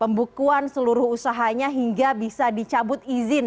pembukuan seluruh usahanya hingga bisa dicabut izin